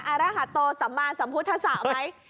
อารหัสโตสัมมาสัมพุทธศาสตร์ไหม